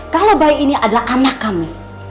kalau bayi ini adalah anak kami